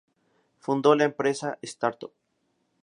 Fundó una empresa "startup".